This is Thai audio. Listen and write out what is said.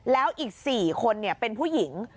แล้วอีก๔คนเป็นผู้หญิง